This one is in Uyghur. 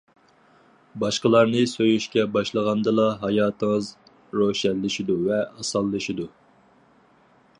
باشقىلارنى سۆيۈشكە باشلىغاندىلا، ھاياتىڭىز روشەنلىشىدۇ ۋە ئاسانلىشىدۇ.